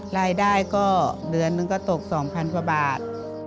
รายได้ก็เดือนนึงก็ตก๒๐๐กว่าบาท